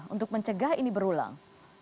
untuk mencegah ini berulang